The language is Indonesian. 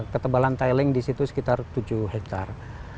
ketebalan tiling di situ sekitar tujuh hektare